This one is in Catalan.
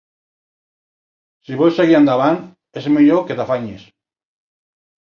Si vols seguir endavant, és millor que t'afanyis.